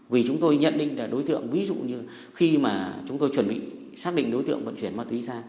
vì chúng tôi nhận định là đối tượng ví dụ như khi mà chúng tôi chuẩn bị xác định đối tượng vận chuyển ma túy ra